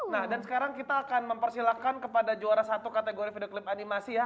nah dan sekarang kita akan mempersilahkan kepada juara satu kategori video klip animasi ya